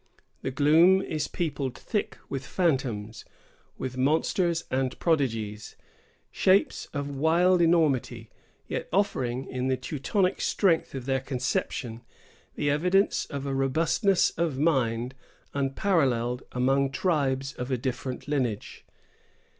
The gloom is peopled thick with phantoms; with monsters and prodigies, shapes of wild enormity, yet offering, in the Teutonic strength of their conception, the evidence of a robustness of mind unparalleled among tribes of a different lineage.